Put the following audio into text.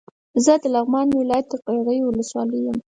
زه د لغمان ولايت د قرغيو ولسوالۍ يم